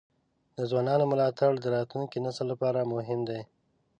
د ځوانانو ملاتړ د راتلونکي نسل لپاره مهم دی.